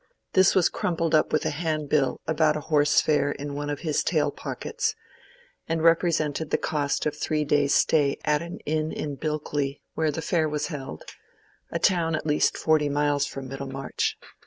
This was crumpled up with a hand bill about a horse fair in one of his tail pockets, and represented the cost of three days' stay at an inn at Bilkley, where the fair was held—a town at least forty miles from Middlemarch.